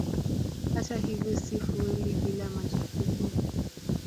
Hata hivyo si fueli bila machafuko.